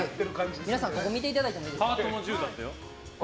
皆さんここ見ていただいてもいいですか。